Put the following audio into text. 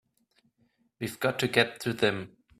We've got to get to them!